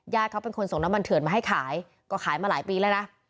เขาเป็นคนส่งน้ำมันเถื่อนมาให้ขายก็ขายมาหลายปีแล้วนะ